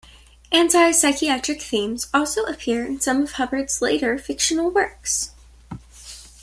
Anti-psychiatric themes also appear in some of Hubbard's later fictional works.